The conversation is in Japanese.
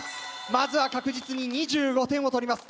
まずは確実に２５点を取ります。